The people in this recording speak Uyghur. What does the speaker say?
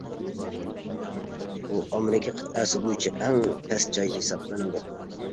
ئۇ، ئامېرىكا قىتئەسى بويىچە ئەڭ پەس جاي ھېسابلىنىدۇ.